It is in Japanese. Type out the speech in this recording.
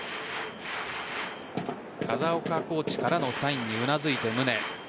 風岡コーチからのサインにうなずいて、宗。